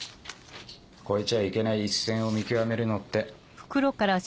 越えちゃいけない一線を見極めるのって。